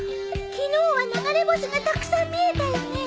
昨日は流れ星がたくさん見えたよね。